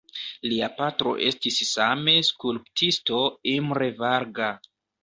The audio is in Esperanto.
Lia patro estis same skulptisto Imre Varga.